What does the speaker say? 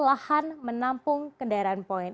lahan menampung kendaraan poin